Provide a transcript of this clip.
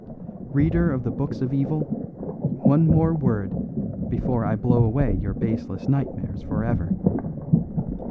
"Reader of the books of evil, one more word before I blow away your baseless nightmares for ever.